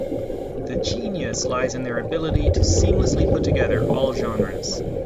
The genius lies in their ability to seamlessly put together all genres.